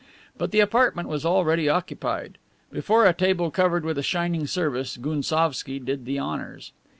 But the apartment was already occupied. Before a table covered with a shining service Gounsovski did the honors.